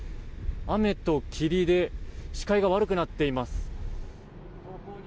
雨と霧で視界が悪くなっています。